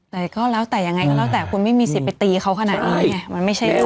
แต่ก็แล้วแต่ยังไงก็แล้วแต่คุณไม่มีสิทธิ์ไปตีเขาขนาดนี้ไงมันไม่ใช่เรื่อง